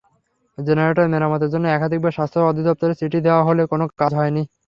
Generator মেরামতের জন্য একাধিকার স্বাস্থ্য অধিদপ্তরে চিঠি দেওয়া হলেও কোনো কাজ হয়নি।